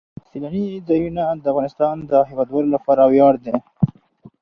سیلانی ځایونه د افغانستان د هیوادوالو لپاره ویاړ دی.